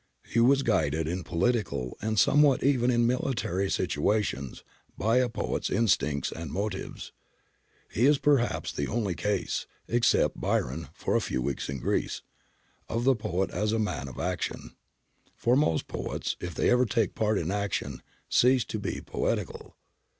He was guided in political, and somewhat even in military situations, by a poet's instincts and motives. He is perhaps the only case, except Byron for a few weeks in Greece, of the poet as man of action. For most poets, if they ever take part in action, cease to be poetical.